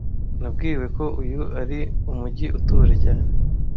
Nabwiwe ko uyu ari umujyi utuje cyane